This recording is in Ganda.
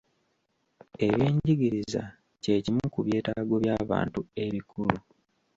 Ebyenjigiriza kye kimu ku byetaago by'abantu ebikulu.